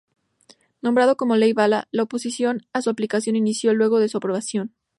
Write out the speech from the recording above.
Nombrada como "Ley bala", la oposición a su aplicación inició luego de su aprobación.